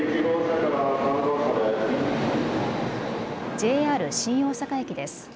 ＪＲ新大阪駅です。